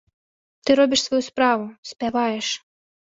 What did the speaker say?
Ты робіш сваю справу, спяваеш.